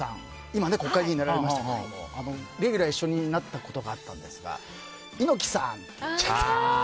今は、国会議員になられましたけどレギュラー、一緒になったことがあったんですがイノキさんって言っちゃって。